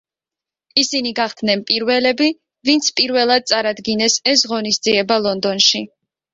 ისინი გახდნენ პირველები, ვინც პირველად წარადგინეს ეს ღონისძიება ლონდონში.